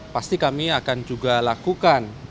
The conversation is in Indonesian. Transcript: pasti kami akan juga lakukan